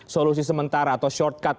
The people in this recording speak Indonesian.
solusi sementara atau shortcut